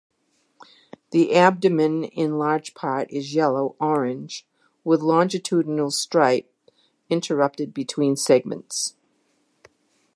The abdomen in large part is yellow orange with longitudinal strip interrupted between segments.